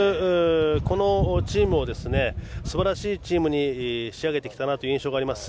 このチームをすばらしいチームに仕上げてきたなという印象があります。